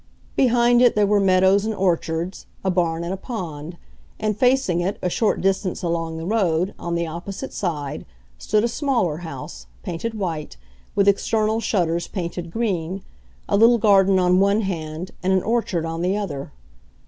Behind it there were meadows and orchards, a barn and a pond; and facing it, a short distance along the road, on the opposite side, stood a smaller house, painted white, with external shutters painted green, a little garden on one hand and an orchard on the other.